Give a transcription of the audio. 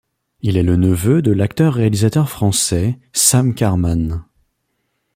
Il est le neveu de l'acteur réalisateur français Sam Karmann.